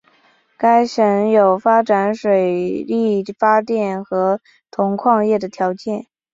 该省有发展水力发电和铜矿业的条件。